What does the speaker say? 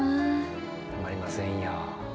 たまりませんよ。